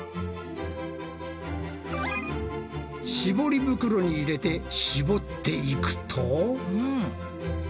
しぼり袋に入れてしぼっていくと。